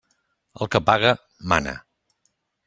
El que paga, mana.